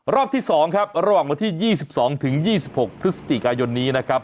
รอบที่๒ครับระหว่างวันที่๒๒๒๖พฤศจิกายนนี้นะครับ